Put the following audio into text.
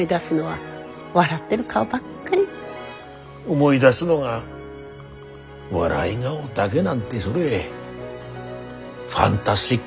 思い出すのが笑い顔だけなんてそれファンタスティックじゃないが。